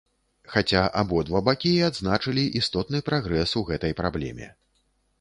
Хаця абодва бакі і адзначылі істотны прагрэс у гэтай праблеме.